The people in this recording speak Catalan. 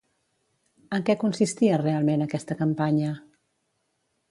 En què consistia realment aquesta campanya?